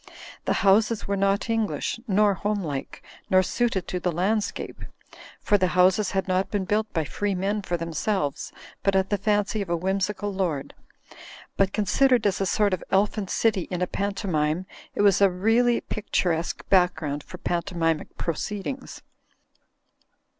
The houses were not English, nor homelike, nor suited to the land scape; for the houses had not been built by free men for themselves, but at the fancy of a whimsical lord. But considered as a sort of elfin city in a pantomime it was a really picturesque background for pantomim ic proceedings.